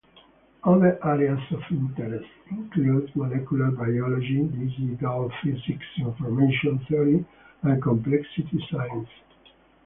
Other areas of interest include: molecular biology, digital physics, information theory and complexity science.